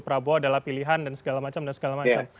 prabowo adalah pilihan dan segala macam dan segala macam